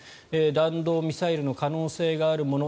弾道ミサイルの可能性があるもの